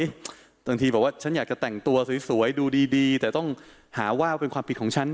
บางทีบอกว่าฉันอยากจะแต่งตัวสวยดูดีแต่ต้องหาว่าเป็นความผิดของฉัน